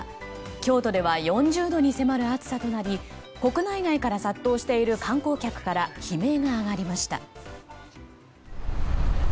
京都では４０度に迫る暑さとなり国内外から殺到している観光客から悲鳴が上がりました。